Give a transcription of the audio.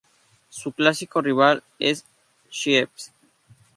Su clásico rival es Chiefs.